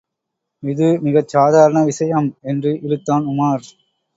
இது மிகச் சாதாரண விஷயம்.. என்று இழுத்தான் உமார்.